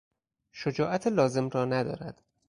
شجاعت لازم را ندارد.